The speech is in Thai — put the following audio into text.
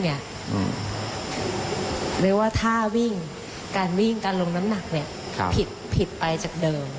เรียกว่าท่าวิ่งการวิ่งการลงน้ำหนักเนี่ยผิดไปจากเดิม